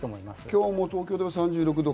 今日も東京では３６度。